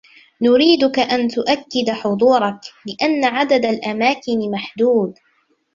نريدك أن تؤكد حضورك لأن عدد الأماكن محدود.